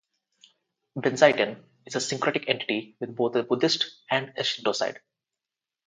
Benzaiten is a syncretic entity with both a Buddhist and a Shinto side.